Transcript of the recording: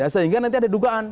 sehingga nanti ada dugaan